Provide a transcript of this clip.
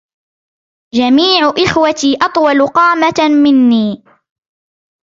جميع اخوتي أطول قامة مني.